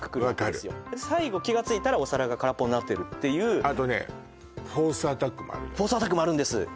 分かる最後気がついたらお皿が空っぽになってるっていうあとねフォースアタックもあるんです